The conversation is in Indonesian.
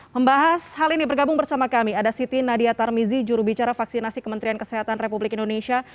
membahas hal ini bergabung bersama kami ada siti nadia tarmizi jurubicara vaksinasi kementerian kesehatan republik indonesia